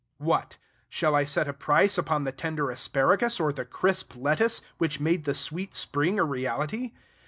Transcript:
What! shall I set a price upon the tender asparagus or the crisp lettuce, which made the sweet spring a reality?